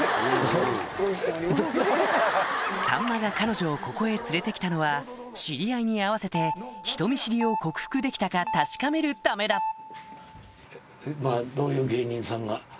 さんまが彼女をここへ連れて来たのは知り合いに会わせて人見知りを克服できたか確かめるためだハハハ！